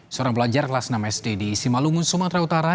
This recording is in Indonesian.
seorang pelajar kelas enam sd di simalungun sumatera utara